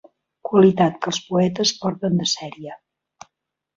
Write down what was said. Qualitat que els poetes porten de sèrie.